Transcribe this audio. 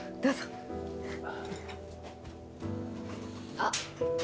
あっ。